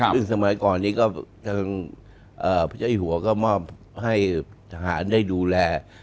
พระเจ้าหายหัวก็มอบให้ทหารได้ดูแล